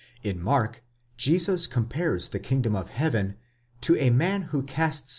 In Mark, Jesus compares the kingdom of heaven to a man who casts.